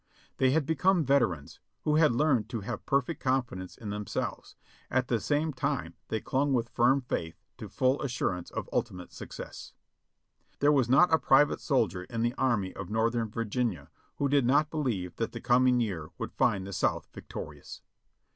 They had become veterans, who had learned to have perfect confidence in themselves, at the same time they clung with firm faith to full assurance of ultimate success. There was not a private soldier in the Army of North ern Virginia who did not believe that the coming year would find the South victorious.